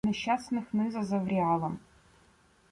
Нещасних Низа з Евріалом